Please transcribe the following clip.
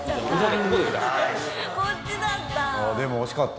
こっちだった！